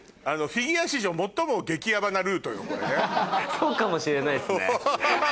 そうかもしれないっすね。